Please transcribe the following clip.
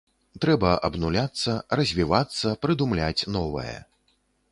Трэба абнуляцца, развівацца, прыдумляць новае.